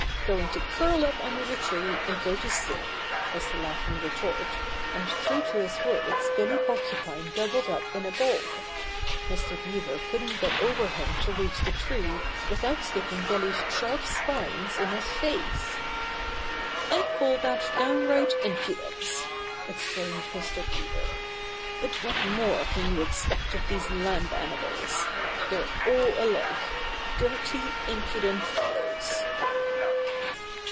"Going to curl up under the tree and go to sleep," was the laughing retort, and true to his words Billy Porcupine doubled up in a ball. Mr. Beaver couldn't get over him to reach the tree without sticking Billy's sharp spines in his face. "I call that downright impudence I" ex claimed Mr. Beaver. "But what more can you expect of these land animals 1 They're all alike — dirty, impudent fellows."